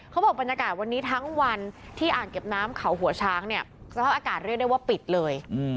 เขาบอกบรรยากาศวันนี้ทั้งวันที่อ่างเก็บน้ำเขาหัวช้างเนี่ยสภาพอากาศเรียกได้ว่าปิดเลย